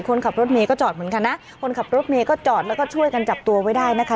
คนขับรถเมย์ก็จอดเหมือนกันนะคนขับรถเมย์ก็จอดแล้วก็ช่วยกันจับตัวไว้ได้นะคะ